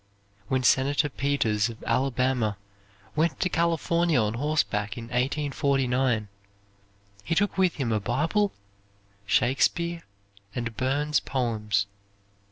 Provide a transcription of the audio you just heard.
When Senator Petters of Alabama went to California on horseback in 1849, he took with him a Bible, Shakespeare, and Burns's poems.